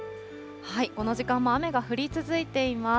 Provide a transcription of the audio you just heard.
この時間も雨が降り続いています。